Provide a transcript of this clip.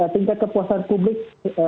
tingkat kepuasan publik